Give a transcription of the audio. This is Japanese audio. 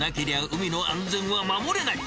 海の安全は守れない。